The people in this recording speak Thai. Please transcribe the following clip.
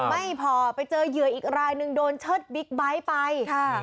ไม่พอไปเจอเหยื่ออีกรายหนึ่งโดนเชิดบิ๊กไบท์ไปค่ะ